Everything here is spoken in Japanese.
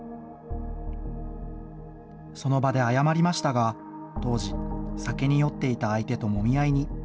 その場で謝りましたが、当時、酒に酔っていた相手ともみ合いに。